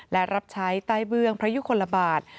และรับใช้ใต้เบื้องพระยุคลบาท